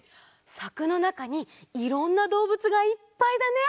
さくのなかにいろんなどうぶつがいっぱいだね！